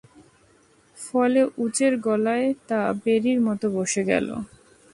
ফলে উজের গলায় তা বেড়ীর মত বসে গেল।